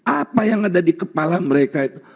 apa yang ada di kepala mereka itu